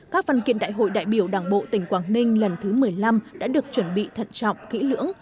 các văn kiện đại hội đại biểu đảng bộ tỉnh quảng ninh lần thứ một mươi năm đã được chuẩn bị thận trọng kỹ lưỡng